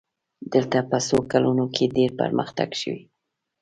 دلته په څو کلونو کې ډېر پرمختګ شوی.